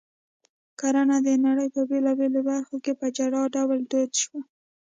کرنه د نړۍ په بېلابېلو برخو کې په جلا ډول دود شوه